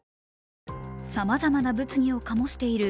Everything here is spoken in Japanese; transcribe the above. さまざまな物議を醸している